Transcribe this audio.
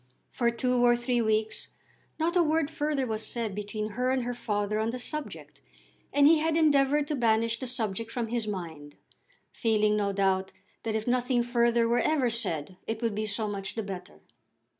For two or three weeks not a word further was said between her and her father on the subject, and he had endeavoured to banish the subject from his mind, feeling no doubt that if nothing further were ever said it would be so much the better.